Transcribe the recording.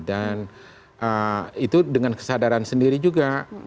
dan itu dengan kesadaran sendiri juga